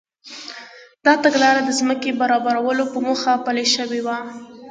دا تګلاره د ځمکې برابرولو په موخه پلي شوې وه.